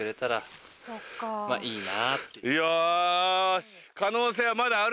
よし。